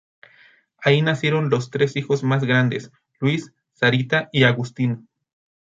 Ahí nacieron los tres hijos más grandes, Luis, Sarita y Agustín.